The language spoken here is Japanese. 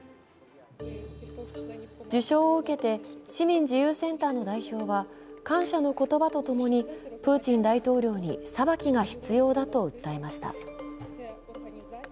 受賞を受けて市民自由センターの代表は感謝の言葉と共にプーチン大統領に裁きが必要だと訴えました。